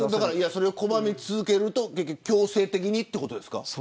それを拒み続けると強制的にということですか。